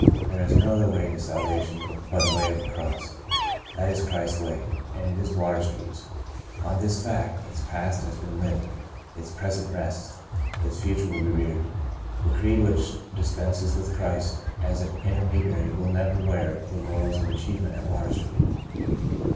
There is no other way to salva tion but by the way of the Cross. That is Christ's way, and it is Water Street's. On this fact, its past has been lived, its present rests, its future will be reared. The creed which dispenses with Christ as an intermedi ary will never wear the laurels of achieve ment at Water Street.